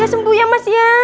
sudah sembuh ya mas ya